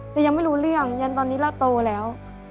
แต่ยังไม่รู้เรื่องยันตอนนี้เราโตแล้ว